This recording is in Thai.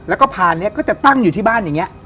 แล้วก็พานนี้ก็จะตั้งอยู่ที่บ้านอย่างนี้